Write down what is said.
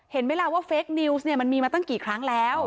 เห็นไหมล่ะว่าเฟคนิวส์เนี่ยมันมีมาตั้งกี่ครั้งแล้ว